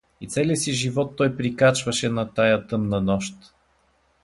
И целия си живот той прикачваше на тая тъмна нощ!